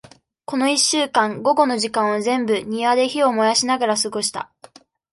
この一週間、午後の時間を全部、庭で火を燃やしながら過ごした。